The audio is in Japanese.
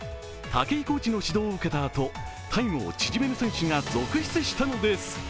武井コーチの指導を受けたあと、タイムを縮める選手が続出したのです。